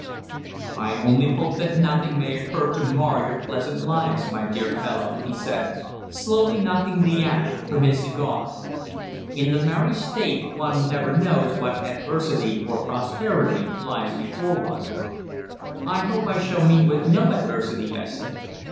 "I only hope that nothing may occur to mar your pleasant lives, my dear fellow," he said, slowly knocking the ash from his cigar. "In the marriage state one never knows whether adversity or prosperity lies before one." "I hope I shall meet with no adversity," I said.